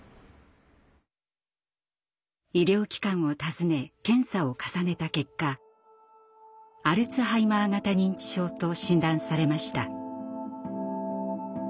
医療機関を訪ね検査を重ねた結果「アルツハイマー型認知症」と診断されました。